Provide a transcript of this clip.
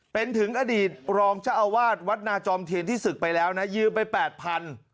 เป็นถึงอดีตรองเจ้าอาวาสวัดนาจอมเทียนที่ศึกไปแล้วนะยืมไปแปดพัน